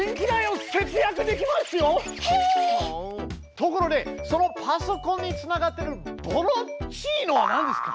ところでそのパソコンにつながってるボロっちいのはなんですか？